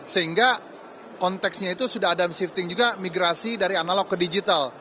sehingga konteksnya itu sudah ada shifting juga migrasi dari analog ke digital